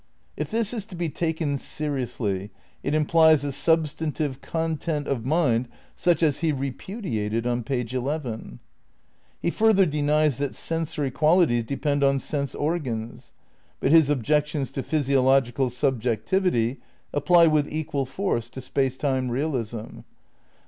If this is to be taken seriously it implies a substantive content of mind such as he repudiated on page eleven. He further denies that sensory qualities depend on sense organs. But his objections to physiological sub jectivity apply with equal force to Space Time realism.